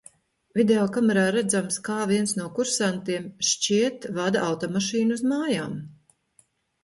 Video kamerā redzams, kā viens no kursantiem, šķiet, vada automašīnu uz mājām.